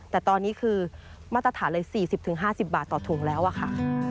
แต่ตอนนี้คือมาตรฐานเลย๔๐๕๐บาทต่อถุงแล้วอะค่ะ